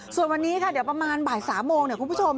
ส่วนวันนี้ค่ะเดี๋ยวประมาณบ่าย๓โมงเนี่ยคุณผู้ชม